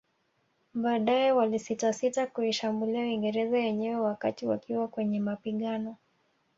Baadae walisitasita kuishambulia Uingereza yenyewe wakati wakiwa kwenye mapigano